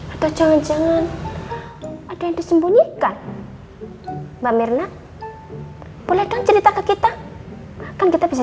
atau jangan jangan ada yang disembunyikan mbak mirna boleh dong cerita ke kita akan kita bisa